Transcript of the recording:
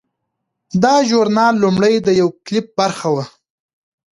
دا ژورنال لومړی د یو کلپ برخه وه.